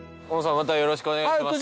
またよろしくお願いします。